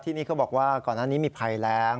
ที่นี่เขาบอกว่าก่อนหน้านี้มีภัยแรง